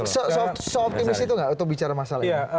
soal optimis itu nggak untuk bicara masalah ini